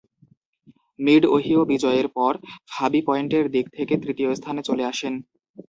Mid-Ohio বিজয়ের পর ফাবি পয়েন্টের দিক থেকে তৃতীয় স্থানে চলে আসেন।